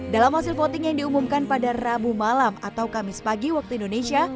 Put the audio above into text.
dalam hasil voting yang diumumkan pada rabu malam atau kamis pagi waktu indonesia